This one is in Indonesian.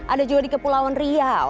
ada juga di kepulauan riau